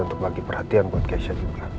untuk bagi perhatian buat kesya